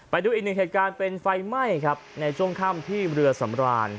ไปดูอีกหนึ่งเหตุการณ์เป็นไฟไหม้ครับในช่วงค่ำที่เรือสำราญ